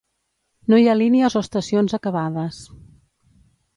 No hi ha línies o estacions acabades.